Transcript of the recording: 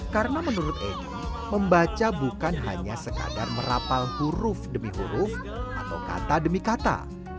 karena menurut emy membaca bukan hanya sekadar merapal huruf demi huruf atau kata demi kata